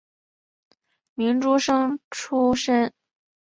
明诸生出身。